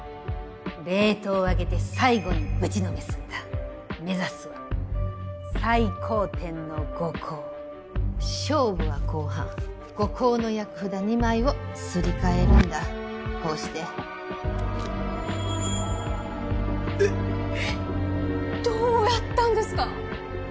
レートを上げて最後にぶちの目指すは最高点の五光勝負は後半五光の役札２枚をすり替えるんだこうしてどうやったんですか？